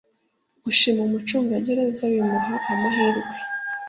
gushima umucungagereza bimuha amahirwe